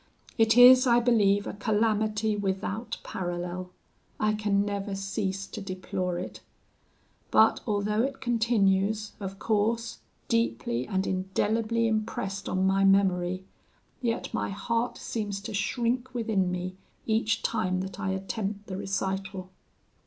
It is, I believe, a calamity without parallel. I can never cease to deplore it. But although it continues, of course, deeply and indelibly impressed on my memory, yet my heart seems to shrink within me each time that I attempt the recital.